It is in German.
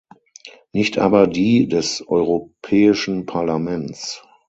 Nicht aber die des Europäischen Parlaments.